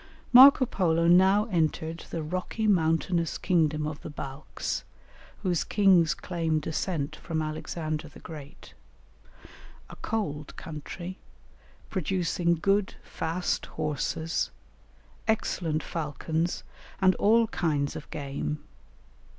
Marco Polo now entered the rocky mountainous kingdom of the Balkhs, whose kings claim descent from Alexander the Great; a cold country, producing good fast horses, excellent falcons, and all kinds of game.